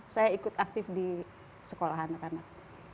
saya ikut aktif di sekolah anak anak